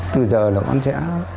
từ giờ là con sẽ